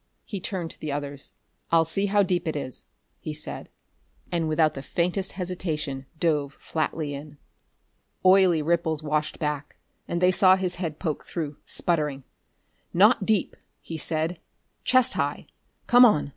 He turned to the others. "I'll see how deep it is," he said, and without the faintest hesitation dove flatly in. Oily ripples washed back, and they saw his head poke through, sputtering. "Not deep," he said. "Chest high. Come on."